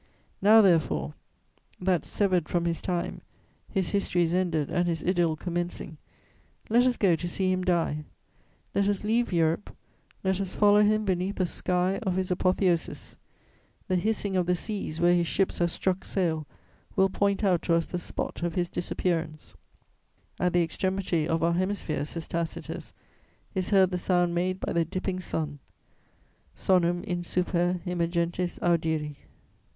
Now, therefore, that, severed from his time, his history is ended and his idyll commencing, let us go to see him die: let us leave Europe; let us follow him beneath the sky of his apotheosis! The hissing of the seas where his ships have struck sail will point out to us the spot of his disappearance: "At the extremity of our hemisphere," says Tacitus, "is heard the sound made by the dipping sun: _sonum insuper immergentis audiri.